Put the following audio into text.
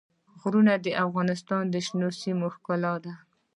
غرونه د افغانستان د شنو سیمو ښکلا ده.